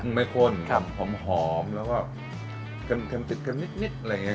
คลีมจะไม่ขนหอมแล้วก็เข้มติดกันนิดอะไรนี้